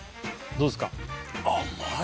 どうですか？